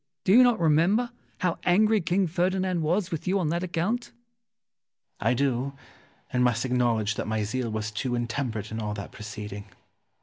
Do you not remember how angry King Ferdinand was with you on that account? Ximenes. I do, and must acknowledge that my zeal was too intemperate in all that proceeding.